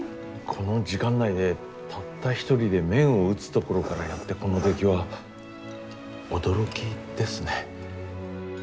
この時間内でたった一人で麺を打つところからやってこの出来は驚きですね。